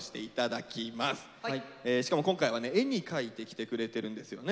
しかも今回はね絵に描いてきてくれてるんですよね。